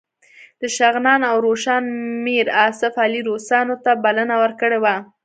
د شغنان او روشان میر آصف علي روسانو ته بلنه ورکړې وه.